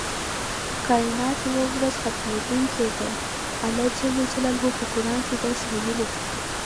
کائنات یوه ورځ ختمیدونکي دي الله ج په قران کې داسې ویلي دی.